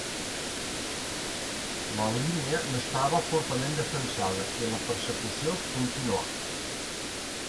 La línia no estava fortament defensada, i la persecució continuà.